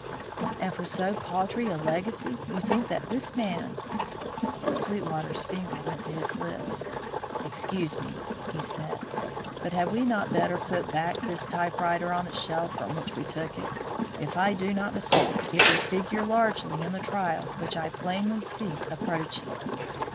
"And for so paltry a legacy you think that this man " Sweetwater's finger went to his lips. "Excuse me," said he, "but had we not better put back this typewriter on the shelf from which we took it? If I do not mistake, it will figure largely in the trial which I plainly see approaching."